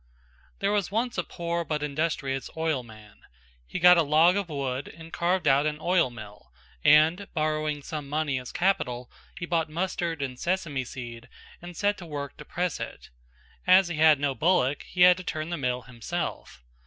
There was once a poor but industrious oilman; he got a log of wood and carved out an oil mill and, borrowing some money as capital, he bought mustard and sesame seed and set to work to press it; as he had no bullock he had to turn the mill himself.